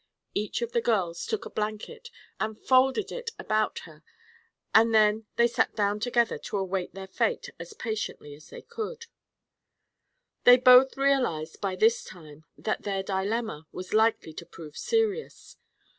Each of the girls took a blanket and folded it about her and then they sat down together to await their fate as patiently as they could. They both realized, by this time, that their dilemma was likely to prove serious.